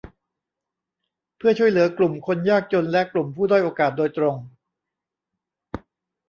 เพื่อช่วยเหลือกลุ่มคนยากจนกลุ่มผู้ด้อยโอกาสโดยตรง